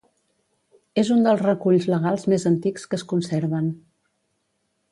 És un dels reculls legals més antics que es conserven.